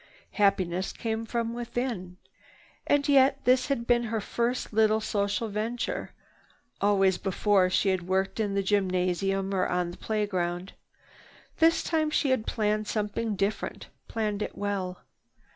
Happiness came from within. And yet this had been her first little social venture. Always before she had worked in the gymnasium or on the playground. This time she had planned something different, planned it well.